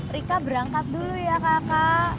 rika berangkat dulu ya kakak